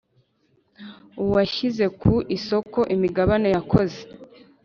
Uwashyize ku isoko imigabane yakoze